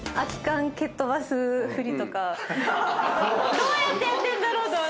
どうやってやってんだろう